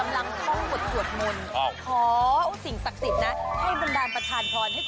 อย่าพูดไปไปไหนไม่ได้